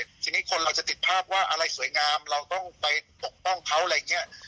ทีนี้คนเราจะติดภาพว่าอะไรสวยงามเราต้องไปปกป้องเขาอะไรอย่างนี้